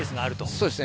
そうですね。